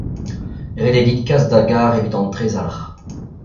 Ret eo dit kas da garr evit an trezalc'h.